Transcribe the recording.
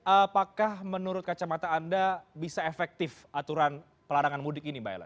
apakah menurut kacamata anda bisa efektif aturan pelarangan mudik ini mbak elle